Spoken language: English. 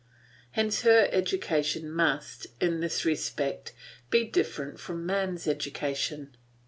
Hence her education must, in this respect, be different from man's education.